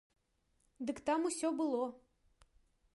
Дык там усё было.